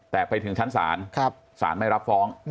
แต่ไปถึงชั้นศาลศาลไม่รับฟ้อง